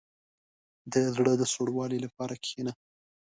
• د زړه د سوړوالي لپاره کښېنه.